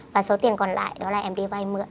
và số tiền còn lại đó là em đi vay mượn